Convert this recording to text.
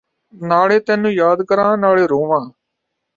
ਨਾਲੇ ਤੈਨੂੰ ਯਾਦ ਕਰਾਂ ਨਾਲੇ ਰੋਵਾਂ